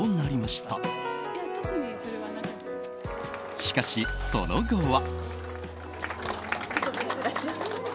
しかし、その後は。